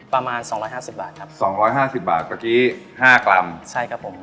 ประมาณ๒๕๐บาทครับ